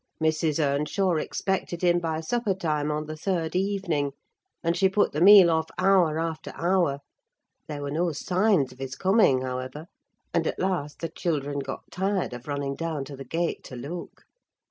Mrs. Earnshaw expected him by supper time on the third evening, and she put the meal off hour after hour; there were no signs of his coming, however, and at last the children got tired of running down to the gate to look.